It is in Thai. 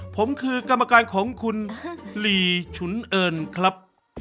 ผมคือกรรมการของคุณลีฉุนเอิญครับ